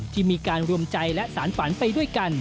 ที่มีการรวมใจและสารฝันไปด้วยกัน